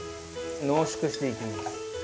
濃縮していきます。